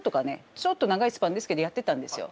ちょっと長いスパンですけどやってたんですよ。